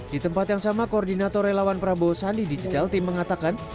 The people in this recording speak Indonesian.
di tempat yang sama koordinator relawan prabowo sandi digital team mengatakan